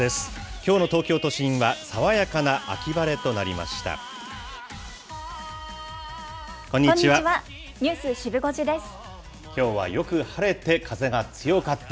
きょうの東京都心は爽やかな秋晴れとなりました。